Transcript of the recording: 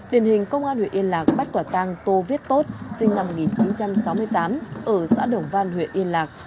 điển hình công an huyện yên lạc bắt quả tang tô viết tốt sinh năm một nghìn chín trăm sáu mươi tám ở xã đồng văn huyện yên lạc